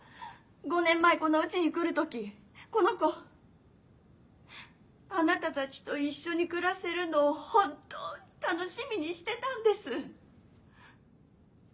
５年前この家に来る時この子あなたたちと一緒に暮らせるのを本当に楽しみにしてたんです。